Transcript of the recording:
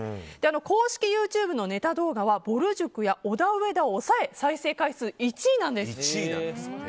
公式ＹｏｕＴｕｂｅのネタ動画はぼる塾や、オダウエダを抑え再生回数１位なんです。